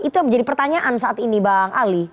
itu yang menjadi pertanyaan saat ini bang ali